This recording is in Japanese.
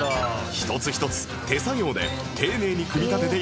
一つ一つ手作業で丁寧に組み立てていくと